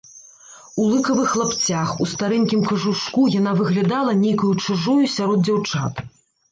У лыкавых лапцях, у старэнькім кажушку яна выглядала нейкаю чужою сярод дзяўчат.